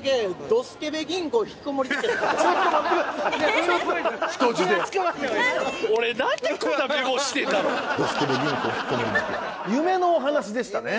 「“ドスケベ銀行ひきこもり事件”」夢のお話でしたね。